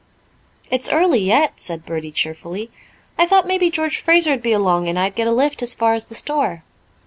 "It's early yet," said Bertie cheerfully. "I thought maybe George Fraser'd be along and I'd get a lift as far as the store."